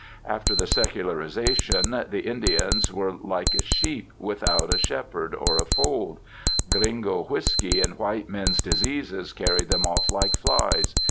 After the secularization, the Indians were like a sheep without a shepherd or a fold. Gringo whisky and white men's diseases carried them off like flies.